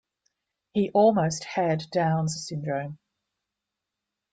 He almost had Downs syndrome.